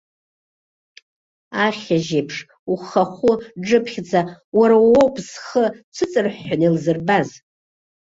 Ахьажь еиԥш, ухахәы џыԥхьӡа, уара уоуп зхы цәыҵырҳәҳәаны илзырбаз!